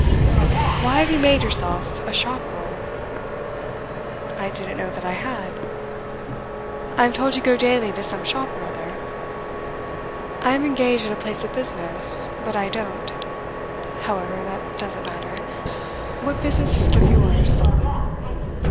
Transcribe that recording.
'Why have you made yourself a shop girl?' 'I didn't know that I had.' 'I am told you go daily to some shop or other.' 'I am engaged at a place of business, but I don't. However, that doesn't matter. What business is it of yours?